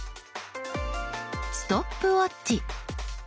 ストップウォッチ。